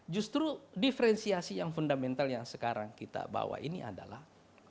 justru diferensiasi yang fundamental yang sekarang kita bawa ini adalah